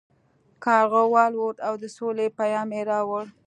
کارغه والوت او د سولې پیام یې راوړ.